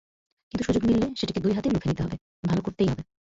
কিন্তু সুযোগ মিললে, সেটিকে দুই হাতে লুফে নিতে হবে, ভালো করতেই হবে।